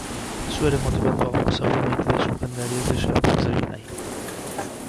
Zu ere motibatuago zaude maite duzun jendeari ez diozulako huts egin nahi.